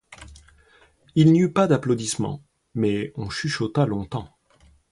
Il n'y eut pas d'applaudissements; mais on chuchota longtemps.